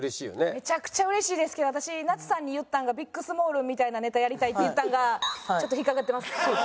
めちゃくちゃ嬉しいですけど私なつさんに言ったんがビックスモールンみたいなネタやりたいって言ったんがちょっと引っかかってます。